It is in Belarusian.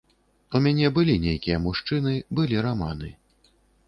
У мяне былі нейкія мужчыны, былі раманы.